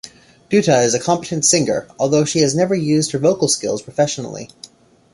Dutta is a competent singer although she has never used her vocal skills professionally.